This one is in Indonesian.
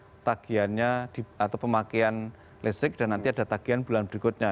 pemakaiannya atau pemakaian listrik dan nanti ada tagian bulan berikutnya